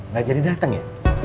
gak jadi dateng ya